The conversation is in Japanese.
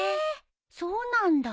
そうなんだ。